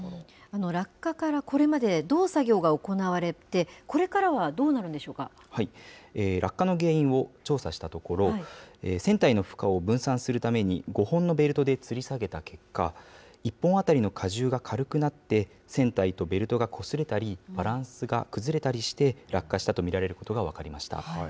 落下からこれまで、どう作業が行われて、これからはどうなる落下の原因を調査したところ、船体の負荷を分散するために、５本のベルトでつり下げた結果、１本当たりの荷重が軽くなって、船体とベルトがこすれたり、バランスが崩れたりして、落下したと見られることが分かりました。